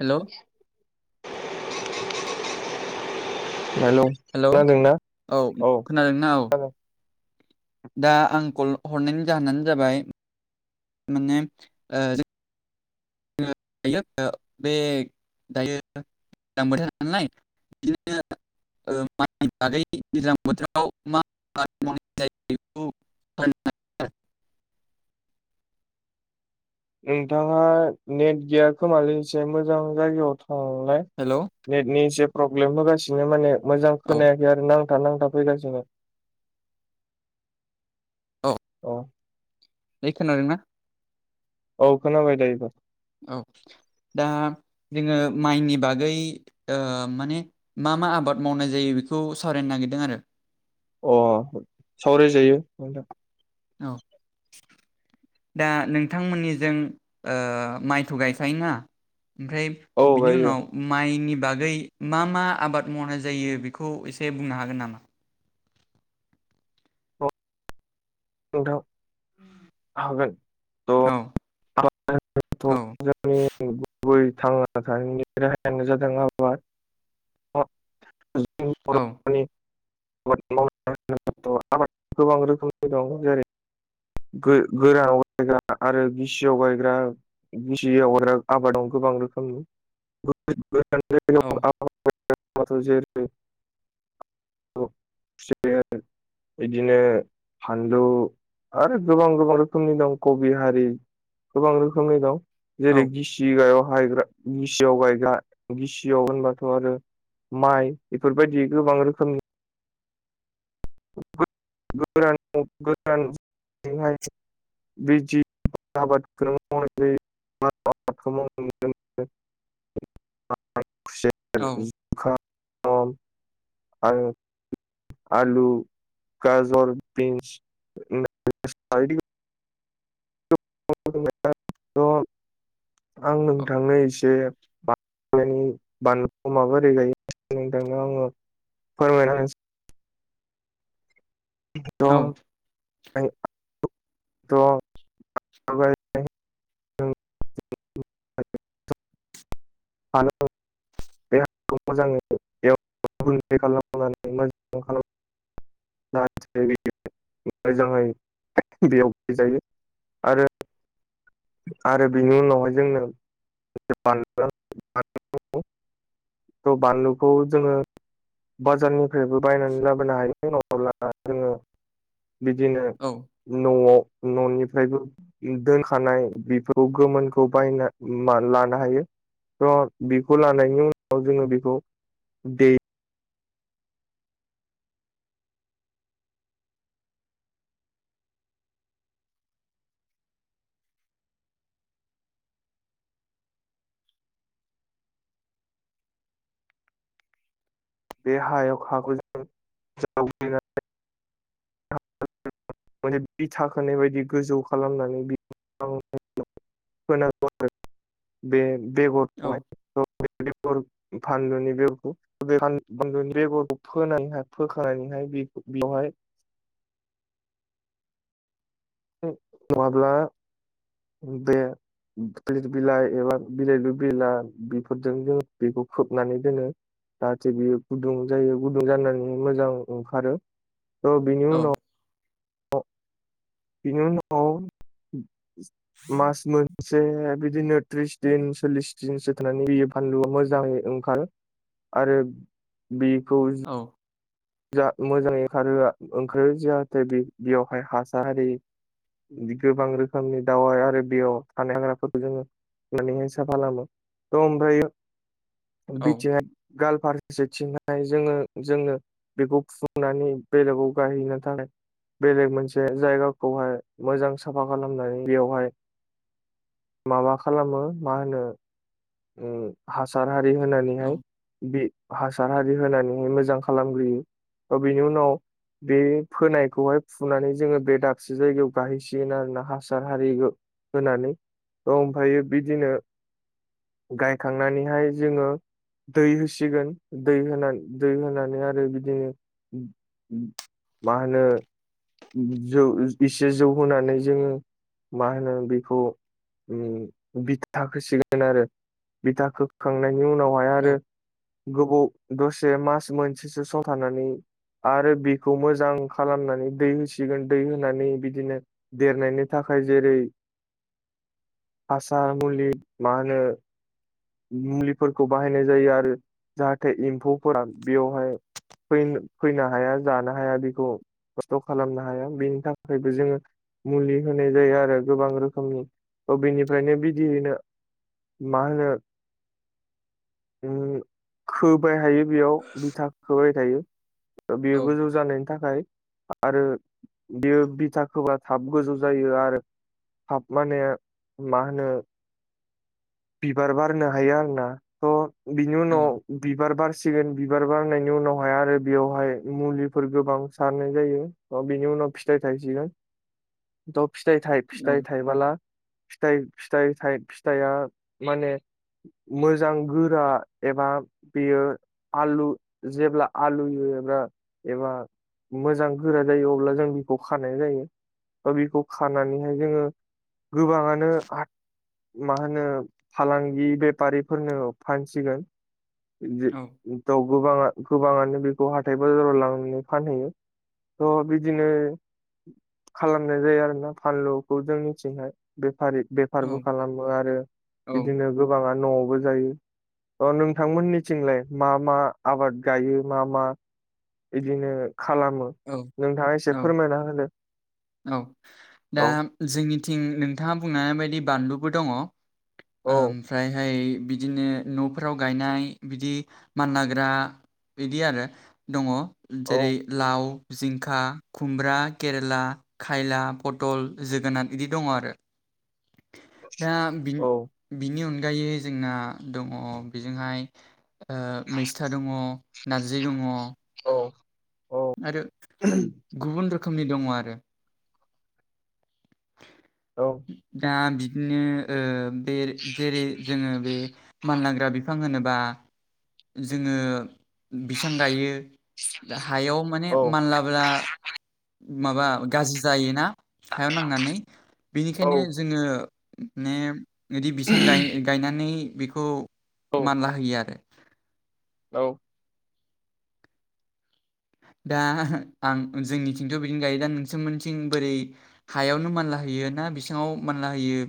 हेल' [inaudible] हेल' खोनादोंना औ खोनादोंना औ [unintelligible] दा आं कल हरनायनि जाहोनानो जाबाय माने ओ जों [unintelligible] दायो बे दायो दैज्लां बोथोर नालाय बिदिनो ओ माइ बागै दैज्लां बोथोराव मा माव [unintelligible] नोंथाङा नेट गैया खोमालसेै एसे मोजां जायगायाव थांलाय हेलौ नेटनि जे प्रब्लेम होगासिनो माने मोजां औ खोनायाखै आरोना नांथा नांथा फैगासिनो औ दायो खोनादोंना औ खोनाबाय दायो औ दा जोङो माइनि बागै ओ माने मा मा आबाद मावनाय जायो बेखौ सावरायनो नागिरदों आरो अ सावराय जायो औ दा नोंथांमोननिजों ओ माइथ' गायखायोना ओमफ्राय औ बिनि गायो उनाव माइनि बागै मा मा आबाद मावनाय जायो बेखौ एसे बुंनो हागोन नामा नोंथां हागोन औ [unintelligible] [unintelligible] औ गुबै थांना थानायनि राहायानो जादों आबाद जों औ बर'नि [unintelligible] आबाद माव आबाद गोबां रोखोमनि दं जेरै गो गोरानाव गायग्रा आरो गिसियाव गायग्रा गिसियाव आरो आबादाव गोबां रोखोमनि [unintelligible] औ [unintelligible] [unintelligible] बिदिनो फानलु आरो गोबां गोबां रोखोमनि दं कबि हारि गोबां रोखोमनि दं जेरै औ गि सि हायाव हायग्रा गिसियाव गायग्रा गिसियाव होनबाथ' आरो माइ बेफोरबायदि गोबां रोखोमनि [unintelligible] [unintelligible] [unintelligible] खुसेर जुखाम औ आरो [unintelligible] आलु गाजर बिन्स [unintelligible] [unintelligible] आं औ नोंथांनो एसे [unintelligible] बानलुखौ माबोरै गायो नोंथांनो आङो फोरमायना होनिसै औ [unintelligible] आरो [unintelligible] बे हाखौ मोजाङै [unintelligible] खालामनानै मोजां [inaudible] [unintelligible] मोजाङै बेयाव जायो आरो आरो बिनि उनावहाय जोंनो बानलुवा [unintelligible] थ' बानलुखौ जोङो बाजारनिफ्रायबो बायनानै लाबोनो हायो नङाब्ला जोङो बिदिनो औ न'वाव न'निफ्रायबो दोनखानाय बेफोराव गोमोनखौ बायना लानो हायो थ' बेखौ लानायनि उनाव जोङो बेखौ दे बे हायाव हाखौ जों जावग्लिनानै [unintelligible] माने बिथा खोनाय बादि गोजौ खालामनानै [unintelligible] फोनांगौ आरो बे बेगर औ खौहाय थ' बे बेगर फानलुनि बेगरखौ बे फान फानलुनि बेगरखौ फोनानैहाय फोखानानैहाय बेखौ बेयावहाय नङाब्ला बे थालिर बिलाइ एबा बिलाइदो बिलाइ बेफोरदों जों बेखौ खोबनानै दोनो जाहाथे बियो गुदुं जायो गुदुं जानानै मोजां ओंखारो थ' बिनि औ उनाव [unintelligible] बिनि उनाव मास मोनसे बिदिनो त्रिस दिन सल्लिस दिनसो थानानै बेयो फानलुआ मोजाङै ओंखारो आरो बेखौ औ जा मोजाङै ओंखारहोआ ओंखारो जाहाथे बेयावहाय हासार आरि गोबां रोखोमनि दावाय आरो बेयाव थानाय हाग्राफोरखौ जोङो मानेहाय साफा खालामो थ' ओमफ्रायो औ बिथिं हाय गालफारसेथिंहाय जोङो जोङो बेखौ फुंनानै बेलेगाव गाहैनो थाखाय बेलेग मोनसे जायगाखौहाय मोजां साफा खालामनानै बेयावहाय माबा खालामो मा होनो हासार हारि औ होनानैहाय बि हासार हारि होनानैहाय मोजां खालामग्रोयो बिनि उनाव बे फोनायखौहाय फुनानै जोङो बे दाबसे जायगायाव गाहैसिगोन आरोना हासार हारि होनानै औ ओमफायो बिदिनो गायखांनानैहाय जोङो दै होसिगोन दै होनानै दै होनानै आरो बिदिनो मा होनो जौ एसे जौ होनानै जोङो मा होनो बेखौ बिथा खोसिगोन आरो बिथा खोखांनायनि उनावहाय आरो गोबाव दसे मास मोनसेसो सम थानानै आरो बिखौ मोजां खालामनानै दै होसिगोन दै होनानै बिदिनो देरनायनि थाखाय जेरै हासार मुलि मा होनो मुलिफोरखौ बाहायनाय जायो आरो जाहाथे एम्फौफोरा बेयावहाय फै फैनो हाया जानो हाया बेखौ खस्थ' खालामनो हाया बेनि थाखायबो जोङो मुलि होनाय जायो आरो गोबां रोखोमनि बेनिफ्रायनो बिदियैनो मा होनो खोबाय थायो बेयाव बिथा खोबाय थायो औ बियो गोजौ जानायनि थाखाय आरो बियो बिथा खोबा थाब गोजौ जायो आरो थाब माने मा होनो बिबार बारनो हायो आरोना थ' बिनि उनाव बिबार बारसिगोन बिबार बारनायनि उनावहाय आरो बेयावहाय मुलिफोर गोबां सारनाय जायो अ बिनि उनाव फिथाइ थाइसिगोन [inaudible] थ' फिथाइ थाइ फिथाइ थाइबाला फिथाइ फिथाइ फिथाइया माने मोजां गोरा एबा बेयो आलु जेब्ला आलुयो एबा एबा मोजां गोरा जायो अब्ला जों बिखौ खानाय जायो बा बिखौ खानानैहाय जोङो गोबाङानो मा होनो फालांगि बेफारिफोरनो फानसिगोन थ' गोबाङा गोबाङानो बेखौ हाथाय बाजाराव लांनानै फानहैयो थ' बिदिनो खालामनाय जायो आरोना फानलुखौ जों थिंहाय बेफारि बे फारबो खालामो आरो औ बिदिनो गोबाङा न'आवबो जायो अ नोंथांमोननिथिंलाय मा मा आबाद गायो मा मा बिदिनो खालामो औ नोंथाङा एसे औ फोरमायना होदो औ दा औ जोंनिथिं नोंथाङा बुंनाय बायदि बानलुबो दङ ओम औ ओमफ्रायहाय बिदिनो न'फोराव गायनाय बिदि मानलाग्रा बिदि आरो दङ जेरै औ लाव जिंखा खुमब्रा केरेला खायला पटल जोगोनार बिदि दङ आरो दा बि औ बिनि अनगायै जोंना दङ बेजोंहाय मैस्था दङ नारजि दङ औ आरो गुबुन रोखोमनि दङ आरो औ दा बिदिनो बे जेरै जोङो बे मानलाग्रा बिफां होनोबा जोङो बिसां गायो दा हायाव माने औ मानलाब्ला माबा गाज्रि जायोना नायनानै औ बिनिखायनो जोङो बिदि बैसां गायनानै बेखौ औ मानला होयो आरो औ दा आं जोंनिथिंथ' बिदिनो गायो दा नोंसोरमोनथिं बोरै हायावनो मानला होयो ना बैसांआव मानला होयो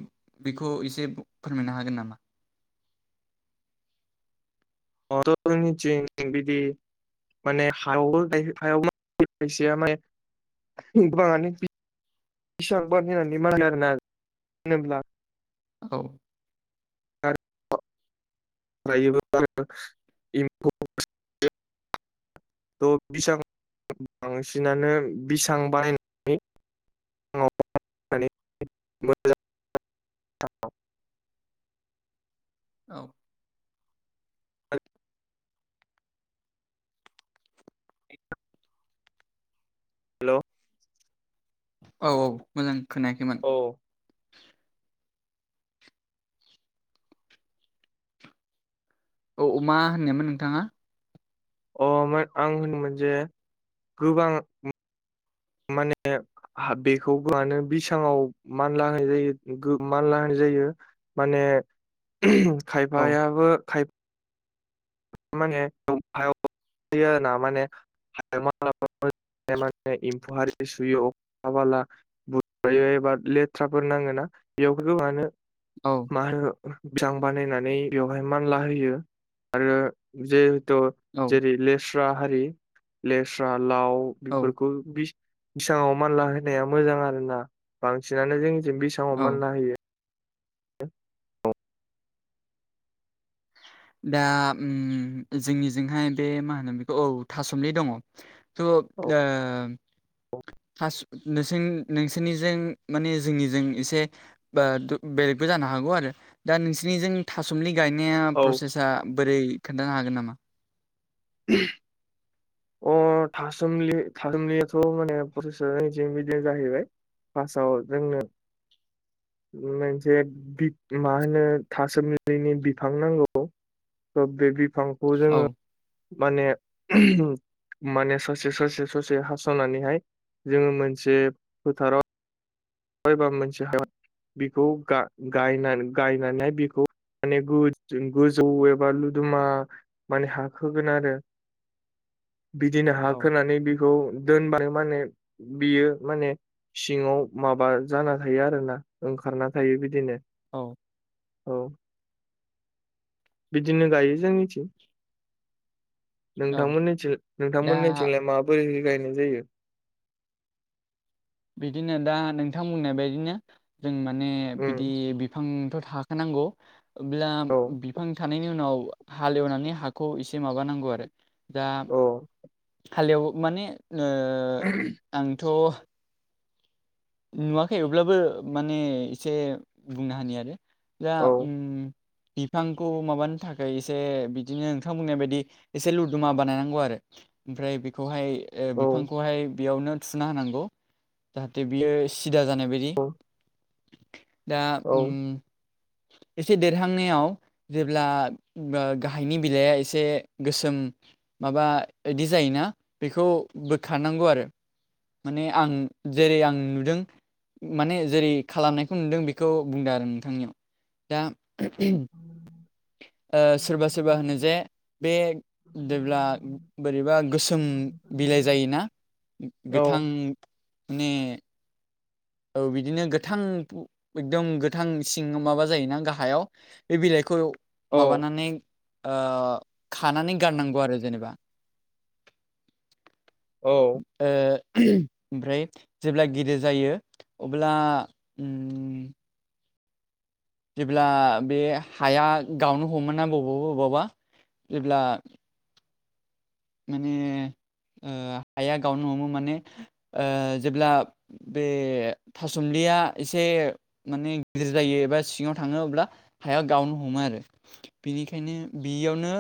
बेखौ एसे फोरमायनो हागोन नामा जोंनिथिं' बिदि माने हायाव हायाव [unintelligible] गोबाङानो बेसेबां होननानै मानो आरोना होनोब्ला [unintelligible] औ [unintelligible] एम्फौ [unintelligible] [unintelligible] थ' बांसिनानो बैसां बानायनानै [unintelligible] औ औ हेल' औ-औ मोजां खोनायाखैमोन औ औ मा होननायमोन नोंथाङा अ आं होनोमोन जे गोबां माने बेखौनो बिसाङाव मानला होनाय जायो मानला होनाय जायो माने औ खायफायाबो खाय माने हायाव माने [unintelligible] माने एम्फौ हारिनि सुयो अखा हाब्ला बोयो एबा लेथ्राफोर नाङो ना बेयावफोरखौ मानो औ मा होनो बैसां बानायनानै बेवहाय मानला होयो आरो जिहेथु औ जेरै लेस्रा हारि लेस्रा लाउ औ बेफोरखौ बैसाङाव मानला होनाया मोजां आरो ना बांसिनानो जोंजों बैसाङाव औ मानला होयो औ [unintelligible] दा जोंनिजोंहाय बे मा होनो बेखौ औ था सोमलि दङ था सोमलि नोंस नोंसोरनिजों माने जोंनिजों एसे बा दु बेलेगबो जानो हागौ आरो दा नोंसिनिजों थासुमलि गायनाया औ प्रसेसा बोरै खोन्थानो हागोन नामा? [unintelligible] अ थासुमलि -थासुमलियाथ' माने फसिस [unintelligible] बिदि जाहैबाय। पासआव जोंनो मोनसे। पिग मा होनो थासोमलैनि बिफां नांगौ। थ बे बिफांखौ औ जोङो माने माने ससे ससे ससे हास'नानैहाय जोङो मोनसे फोथाराव मायबा मोनसे हायाव बिखौ गा-गायनान-गायनानै बिखौ माने गोज-गोजौ एबा लुदुमा माने हाखोगोन आरो बिदिनो औ हाखोनानै बि खौ दोनबानो माने बियो माने सिङाव माबा जाना थायो आरोना ओंखारना थायो बिदिनो औ औ बिदिनो गायो जोंनिथि। औ नोंथांमोननिथि दा नोंथांमोननिथिंलाय माबोरै गायनाय जायो? बिदिनो दा नोंथां बुंनाय बायदिनो जों माने बिदि उम बिफांथ' थाखानांगौ अब्ला औ बिफां थानायनि उनाव हालेवनानै हाखौ इसे माबानांगौ आरो दा औ हालेवो माने आंथ' नुवाखै अब्लाबो माने इसे बुंना होनि आरो जा औ उम बिफांखौ माबानो थाखाय एसे बिदिनो नोंथां बुंनाय बायदि एसे लुदुमा बानायनांगौ आरो ओमफ्राय बेखौहाय ओ औ बिफांखौहाय बेयावनो थुना होनांगौ जाहाथे बियो सिदा जानायबादि औ दा उम एसे देरहांनायाव जेब्ला ओ गाहायनि बिलाइआ एसे गोसोम माबा ओइदि जायोना बेखौ बोखारनांगौ आरो माने आं जेरै आं नुदों माने जेरै खालामनायखौ नुदों बेखौ बुंदों आरो नोंथांनियाव दा ओ सोरबा सोरबा होनो जे बे देब्ला बोरैबा गोसोम बिलाइ जायोना औ गोथां ने औ बिदिनो गोथां पु-एकदम गोथां सिं माबा जायोना गाहायाव। बे बिलाइखौ औ माबानानै ओ खानानै गारनांगौ आरो जेनेबा‌ औ। ओ ओमफ्राय जेब्ला गिदिर जायो अब्ला उम जेब्ला बे हाया गावनो हमोना बबावबा बबावबा जेब्ला माने ओ हाया गावनो हमो माने ओ जेब्ला बे थासोमलिया एसे माने गिदिर जायो एबा सिङाव थाङो अब्ला हाया गावनो हमो आरो। बिनिखायनो बियावनो